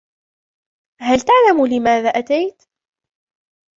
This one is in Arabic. هل تعلم لماذا أتيت؟